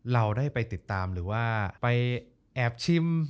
เราได้ไปติดตามหรือว่าไปแอบชิม